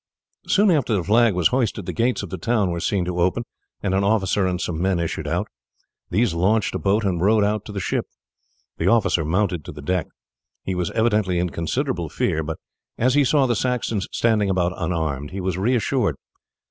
Soon after the flag was hoisted the gates of the town were seen to open, and an officer and some men issued out. These launched a boat and rowed out to the ship. The officer mounted to the deck. He was evidently in considerable fear, but as he saw the Saxons standing about unarmed he was reassured.